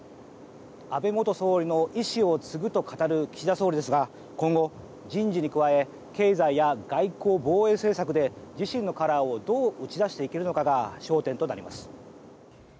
安倍元総理の遺志を継ぐと語る岸田総理ですが今後、人事に加え経済や外交、防衛政策で自身のカラーをどう打ち出していけるのかが焦点となります。